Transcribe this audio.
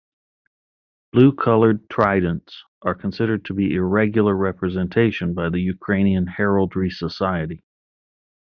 Blue colored tridents are considered to be irregular representation by the Ukrainian Heraldry Society.